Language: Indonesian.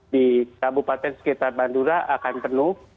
di kabupaten sekitar bandara akan penuh